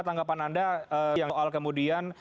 tanggapan anda soal kemudian